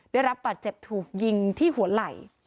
ได้รับบาดเจ็บถูกยิงที่หัวไหล่